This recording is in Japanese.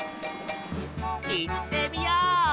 いってみよう！